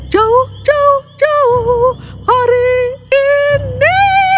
jauh jauh hari ini